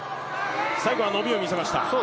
最後は伸びを見せました。